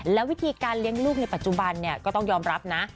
แล้ววิธีการเลี้ยงลูกในปัจจุบันก็ต้องยอมรับนะ